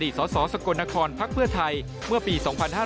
สสกลนครพักเพื่อไทยเมื่อปี๒๕๕๙